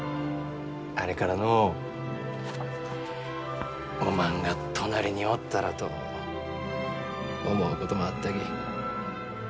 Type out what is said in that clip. あれからのうおまんが隣におったらと思うこともあったき。